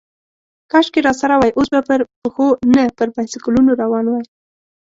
کاشکې راسره وای، اوس به پر پښو، نه پر بایسکلونو روان وای.